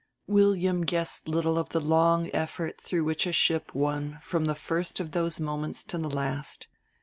William guessed little of the long effort through which a ship won from the first of those moments to the last.